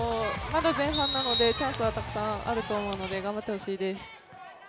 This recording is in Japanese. まだ前半なので、チャンスはたくさんあると思うので頑張ってほしいです。